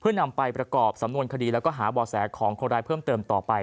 เพื่อนำไปประกอบสำนวนคดีและหาเบาะแสของคนร้ายเพิ่มเติมต่อไป